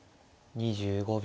２５秒。